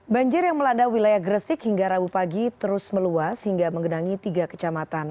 banjir yang melanda wilayah gresik hingga rabu pagi terus meluas hingga menggenangi tiga kecamatan